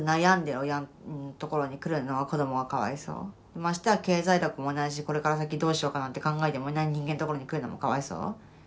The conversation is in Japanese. ましてや経済力もないしこれから先どうしようかなんて考えてもいない人間のところに来るのもかわいそう。